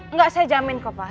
enggak saya jamin kok pak